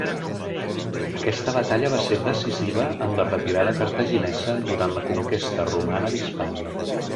Aquesta batalla va ser decisiva en la retirada cartaginesa durant la conquesta romana d'Hispània.